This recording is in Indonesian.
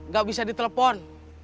gak bisa ditelepon